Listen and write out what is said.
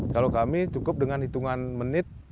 kalau kami cukup dengan hitungan menit